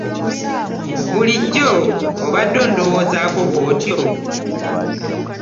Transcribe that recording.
Bulijjo obadde ondowoozaako bwotyo.